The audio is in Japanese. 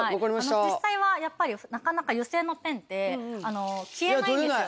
実際はやっぱりなかなか油性のペンって消えないんですよね。